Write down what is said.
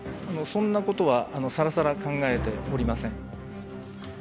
そんなことはさらさら考えておりません。